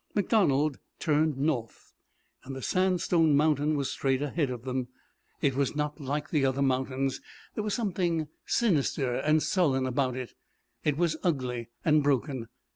MacDonald turned north, and the sandstone mountain was straight ahead of them. It was not like the other mountains. There was something sinister and sullen about it. It was ugly and broken.